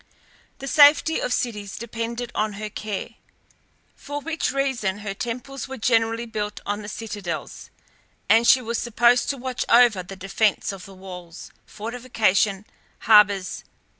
The safety of cities depended on her care, for which reason her temples were generally built on the citadels, and she was supposed to watch over the defence of the walls, fortifications, harbours, &c.